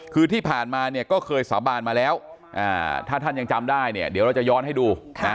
คือที่ผ่านมาเนี่ยก็เคยสาบานมาแล้วถ้าท่านยังจำได้เนี่ยเดี๋ยวเราจะย้อนให้ดู